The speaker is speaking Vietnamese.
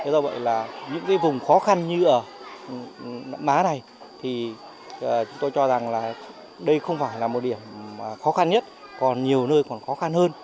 do vậy những vùng khó khăn như ở mã này chúng tôi cho rằng đây không phải là một điểm khó khăn nhất còn nhiều nơi còn khó khăn hơn